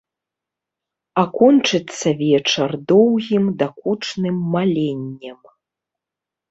А кончыцца вечар доўгім дакучным маленнем.